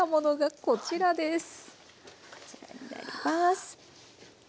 こちらになります。